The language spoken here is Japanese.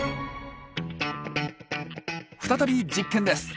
再び実験です。